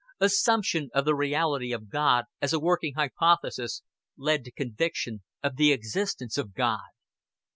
Assumption of the reality of God as a working hypothesis led to conviction of the existence of God.